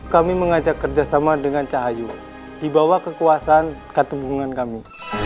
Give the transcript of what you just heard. kami mengajak kerjasama dengan cahayu dibawah kekuasaan katemungan kami